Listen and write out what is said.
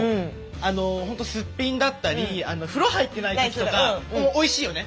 ほんとすっぴんだったり風呂入ってない時とかおいしいよね